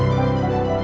lo udah ngerti kan